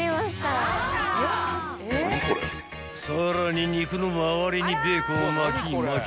［さらに肉の周りにベーコンを巻き巻き］